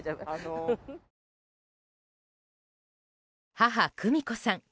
母・久美子さん